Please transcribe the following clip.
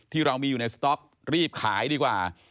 ที่เรามีอยู่ในสต๊อกรีบขายดีกว่า